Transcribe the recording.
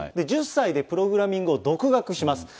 １０歳でプログラミングを独学します。